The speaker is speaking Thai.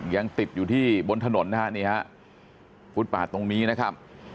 ยังติดอยู่ที่บนถนนนะฮะนี่ฮะฟุตปาดตรงนี้นะครับ